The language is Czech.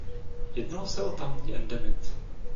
Jednalo se o tamní endemit.